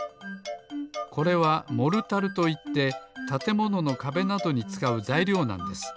これはモルタルといってたてもののかべなどにつかうざいりょうなんです。